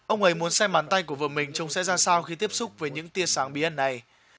ông ấy muốn xem bàn tay của vợ mình trông sẽ ra sao khi tiếp xúc với những tia sáng bí ẩn này